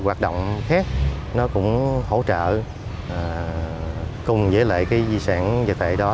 các hoạt động khác nó cũng hỗ trợ cùng với lại cái di sản dạy đó